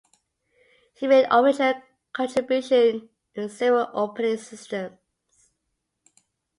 He made original contributions in several opening systems.